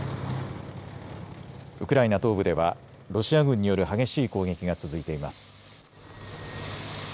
ウクライナ東部ではロシア軍による激しい攻撃が続いています。